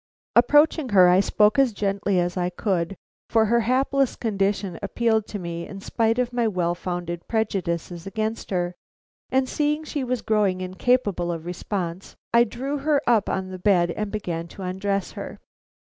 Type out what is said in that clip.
Approaching her, I spoke as gently as I could, for her hapless condition appealed to me in spite of my well founded prejudices against her; and seeing she was growing incapable of response, I drew her up on the bed and began to undress her.